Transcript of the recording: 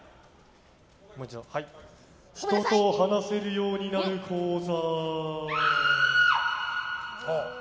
人と話せるようになる講座。